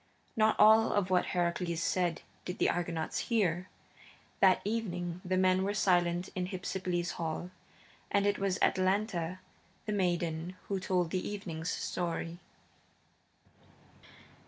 Not all of what Heracles said did the Argonauts hear. That evening the men were silent in Hypsipyle's hall, and it was Atalanta, the maiden, who told the evening's story.